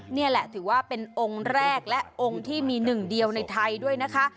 นี่แหละถือว่าเป็นองค์แรกและองค์ที่มีหนึ่งเดียวในไทยด้วยนะคะ